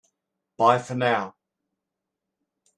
Bye for now!